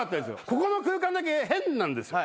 ここの空間だけ変なんですよ。